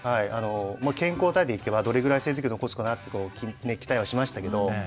健康体でいけばどれぐらい成績を残すかなって期待はしましたけど。